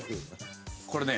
これね。